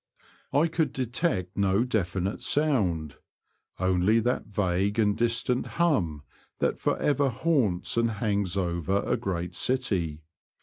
I could detect no definite sound, only that vague and distant hum that for ever haunts and hangs over a great city.